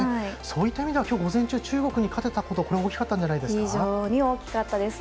そういった意味では今日午前中、中国に勝てたこと非常に大きいですね。